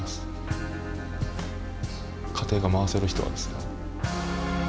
家庭が回せる人はですね。